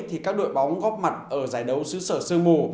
thì các đội bóng góp mặt ở giải đấu sứ sở sơn mù